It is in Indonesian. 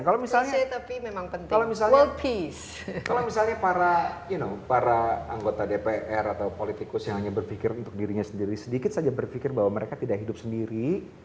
kalau misalnya para anggota dpr atau politikus yang hanya berpikir untuk dirinya sendiri sedikit saja berpikir bahwa mereka tidak hidup sendiri